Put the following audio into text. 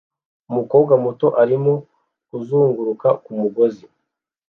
Umukobwa muto arimo kuzunguruka ku mugozi